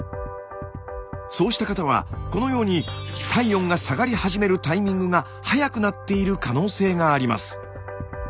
そうした方はこのように体温が下がり始めるタイミングが早くなっている可能性があります。